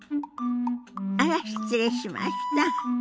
あら失礼しました。